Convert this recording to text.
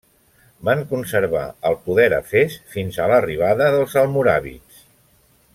Van conservar el poder a Fes fins a l'arribada dels almoràvits.